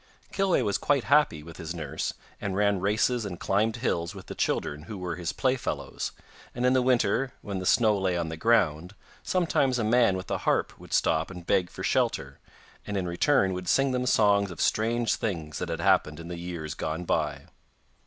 Kilweh was quite happy with his nurse, and ran races and climbed hills with the children who were his playfellows, and in the winter, when the snow lay on the ground, sometimes a man with a harp would stop and beg for shelter, and in return would sing them songs of strange things that had happened in the years gone by.